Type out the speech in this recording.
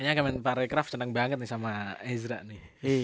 hanya kemen parecraft seneng banget nih sama ezra nih